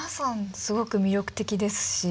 すごく魅力的ですし。